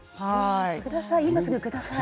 ください